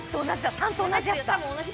３と同じやつだ。